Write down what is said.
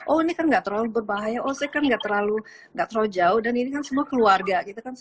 oh ini kan tidak terlalu berbahaya oh ini kan tidak terlalu jauh dan ini kan semua keluarga